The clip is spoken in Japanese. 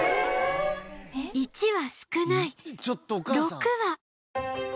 １羽少ない６羽